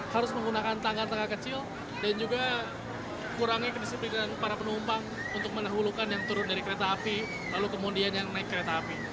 harus menggunakan tangga tangga kecil dan juga kurangnya kedisiplinan para penumpang untuk menahulukan yang turun dari kereta api lalu kemudian yang naik kereta api